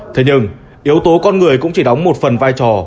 thế nhưng yếu tố con người cũng chỉ đóng một phần vai trò